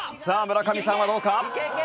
さあ村上さんはどうか？